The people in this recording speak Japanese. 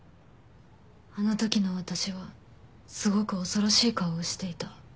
あの時の私はすごく恐ろしい顔をしていた。